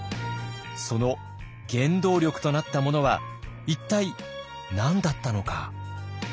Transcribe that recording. その原動力となったものは一体何だったのか。